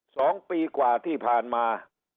สองปีกว่าที่ผ่านมา